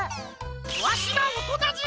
わしはおとなじゃ！